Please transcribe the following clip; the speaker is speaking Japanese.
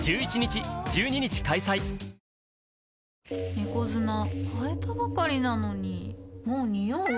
猫砂替えたばかりなのにもうニオう？